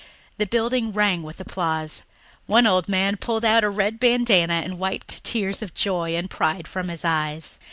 The building rang with applause; one old man pulled out a red bandanna and wiped tears of joy and pride from his eyes.